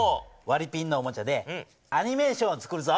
わりピンのおもちゃでアニメーションをつくるぞ。